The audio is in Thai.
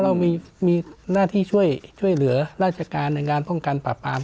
เรามีหน้าที่ช่วยเหลือราชการในงานป้องกันปราบปราม